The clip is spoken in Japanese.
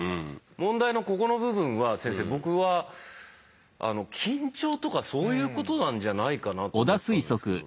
問題のここの部分は先生僕は緊張とかそういうことなんじゃないかなと思ったんですけど。